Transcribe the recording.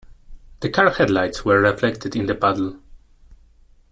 The car headlights were reflected in the puddle.